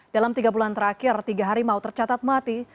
dalam tiga bulan terakhir tiga hari mau tercatat mati